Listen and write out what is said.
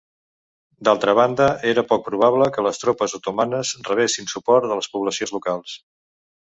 D'altra banda, era poc probable que les tropes otomanes rebessin suport de les poblacions locals.